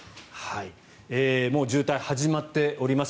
もう渋滞始まっております。